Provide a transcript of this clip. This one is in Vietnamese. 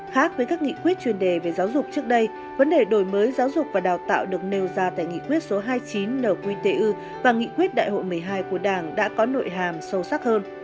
khác với các nghị quyết chuyên đề về giáo dục trước đây vấn đề đổi mới giáo dục và đào tạo được nêu ra tại nghị quyết số hai mươi chín nqtu và nghị quyết đại hội một mươi hai của đảng đã có nội hàm sâu sắc hơn